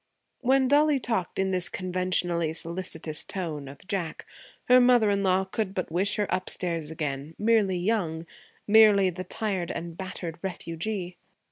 When Dollie talked in this conventionally solicitous tone of Jack, her mother in law could but wish her upstairs again, merely young, merely the tired and battered refugee.